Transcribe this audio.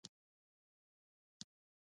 پښتونولي یو قانون دی